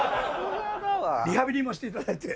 リハビリもしていただいて。